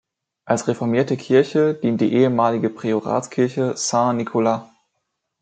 Als reformierte Kirche dient die ehemalige Prioratskirche Saint-Nicolas.